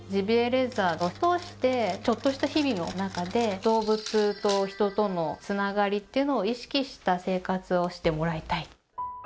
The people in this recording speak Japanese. レザーを通してちょっとした日々の中で動物と人とのつながりっていうのを意識した生活をしてもらいたい。